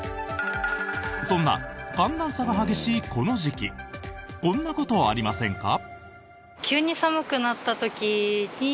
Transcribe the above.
そんな寒暖差が激しいこの時期こんなことありませんか？